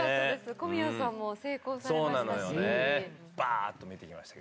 小宮さんも成功されましたし。